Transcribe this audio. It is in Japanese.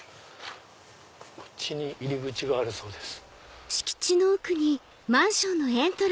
こっちに入り口があるそうです。